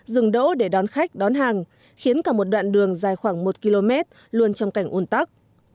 dừng đỗ để đón khách đón hàng khiến cả một đoạn đường dài khoảng một km luôn trong cảnh un tắc